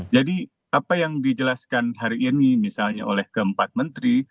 jadi apa yang dijelaskan hari ini misalnya oleh keempat menteri